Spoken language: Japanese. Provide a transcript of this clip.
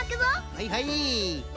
はいはい。